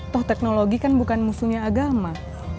toh teknologi kan bukan musuhnya agama